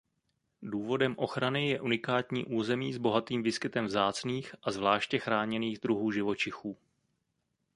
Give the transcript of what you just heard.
Důvodem ochrany je unikátní území s bohatým výskytem vzácných a zvláště chráněných druhů živočichů.